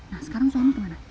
nah sekarang suami kemana